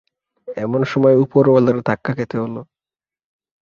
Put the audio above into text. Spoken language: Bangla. এমন সময় উপরওয়ালার ধাক্কা খেতে হল।